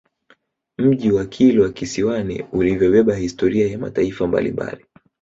Mji wa Kilwa Kisiwani ulivyobeba historia ya mataifa mbalimbali